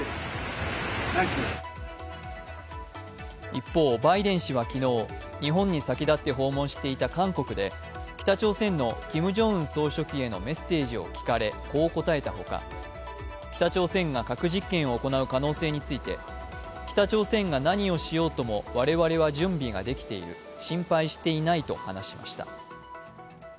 一方、バイデン氏は昨日日本に先立って訪問していた韓国で北朝鮮のキム・ジョンウン総書記へのメッセージを聞かれこう答えたほか北朝鮮が核実験を行う可能性について北朝鮮が何をしようとも我々は準備ができている、心配していないと話しました。